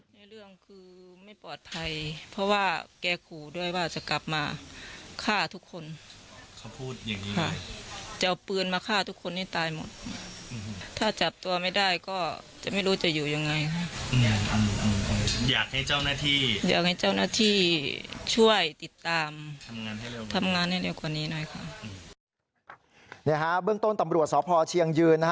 เนี่ยฮะเบื้องต้นตำรวจสพเชียงยืนนะฮะ